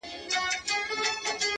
ځوان ناست دی!!